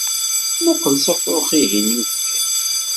Muqel s afrux-ihin yufgen.